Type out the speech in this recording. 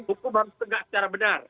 buku baru setegak secara benar